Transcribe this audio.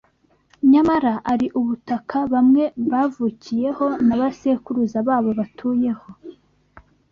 nyamara ari ubutaka bamwe bavukiyeho na basekuruza babo batuyeho